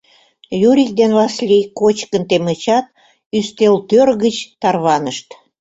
Юрик ден Васлий кочкын темычат, ӱстелтӧр гыч тарванышт.